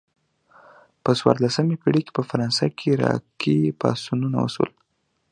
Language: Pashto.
په څوارلسمه پیړۍ کې په فرانسه کې راکري پاڅونونه وشول.